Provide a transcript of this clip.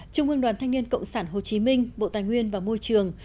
trung ương đoàn thanh niên cộng sản hồ chí minh bộ tài nguyên và môi trường